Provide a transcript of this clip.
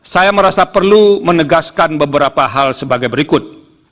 saya merasa perlu menegaskan beberapa hal sebagai berikut